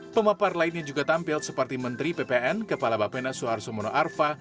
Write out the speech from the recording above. pemapar lainnya juga tampil seperti menteri ppn kepala bapena suharto mono arfa